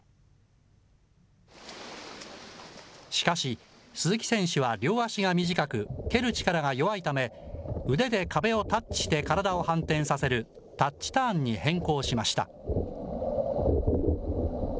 しかし、鈴木選手は両足が短く、蹴る力が弱いため、腕で壁をタッチして体を反転させるタッチターンに変更しました。